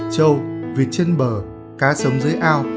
trâu vịt trên bờ cá sống dưới ao